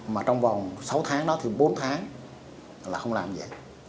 mà trong vòng sáu tháng đó thì bốn tháng là không làm gì